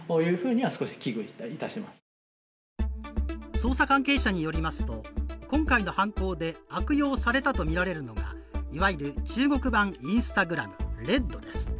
捜査関係者によりますと今回の犯行で悪用されたとみられるのがいわゆる中国版Ｉｎｓｔａｇｒａｍ・レッドです。